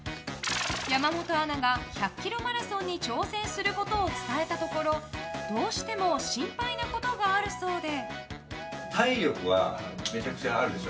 山本アナが１００ｋｍマラソンに挑戦することを伝えたところどうしても心配なことがあるそうで。